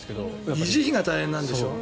維持費が大変なんでしょ？